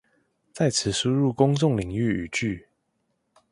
在此輸入公眾領域語句